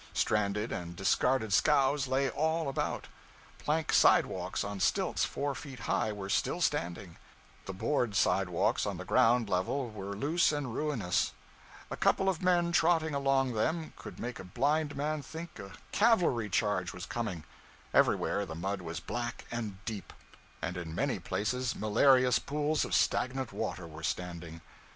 Stranded and discarded scows lay all about; plank sidewalks on stilts four feet high were still standing; the board sidewalks on the ground level were loose and ruinous, a couple of men trotting along them could make a blind man think a cavalry charge was coming; everywhere the mud was black and deep, and in many places malarious pools of stagnant water were standing.